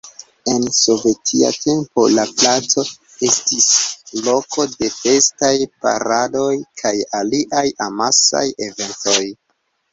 En sovetia tempo la placo estis loko de festaj paradoj kaj aliaj amasaj eventoj.